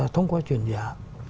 thông qua chuyển giá